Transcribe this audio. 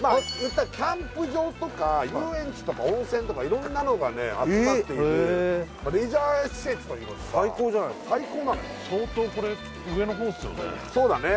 キャンプ場とか遊園地とか温泉とかいろんなのがね集まっているレジャー施設といいますか最高じゃないですか相当これ上の方っすよね